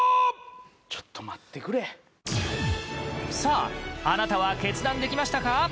ちょっと待ってくれさああなたは決断できましたか？